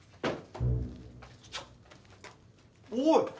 おい！